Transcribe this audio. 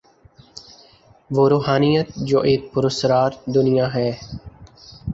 وہ روحانیت جو ایک پراسرار دنیا ہے۔